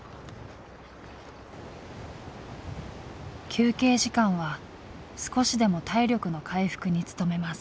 休憩時間は少しでも体力の回復に努めます。